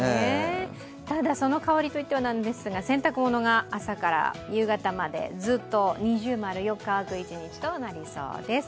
ただその代わりといってはなんですが、洗濯物が朝から夕方までずっと◎、よく乾く一日となりそうです。